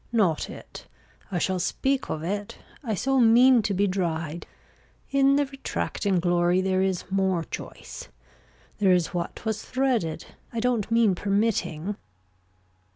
Not it. I shall speak of it. I so mean to be dried. In the retracting glory there is more choice. There is what was threaded. I don't mean permitting.